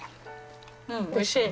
うんおいしい！